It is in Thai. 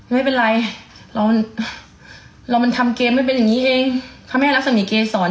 ไม่เป็นไรเราเรามันทำเกมไม่เป็นอย่างนี้เองพระแม่รักษมีเกษร